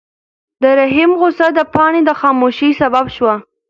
د رحیم غوسه د پاڼې د خاموشۍ سبب شوه.